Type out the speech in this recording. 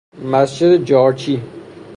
مسجد جارچی